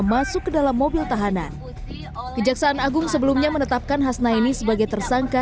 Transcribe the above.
masuk ke dalam mobil tahanan kejaksaan agung sebelumnya menetapkan hasnaini sebagai tersangka